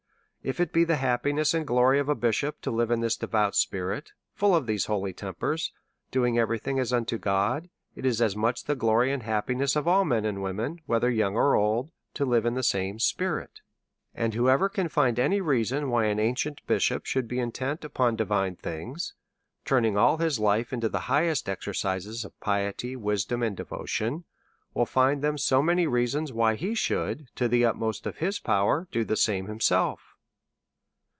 If it be the happiness and glory of a bishop to live in this devout spirit, full of these holy tempers, doing every thing as unto God, it is as much the glory and happiness of all men and women, whether young or old, to live in the same spirit ; and whoever can tind any reasons why an ancient bishop should be intent upon divine things, turnmg all his life into the higliest exercises of piety, wisdom, and devotion, will find them so many reasons why he should, to the utmost of liis power, do the same himself.